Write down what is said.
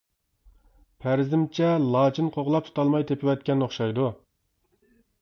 پەرىزىمچە لاچىن قوغلاپ تۇتالماي تېپىۋەتكەن ئوخشايدۇ.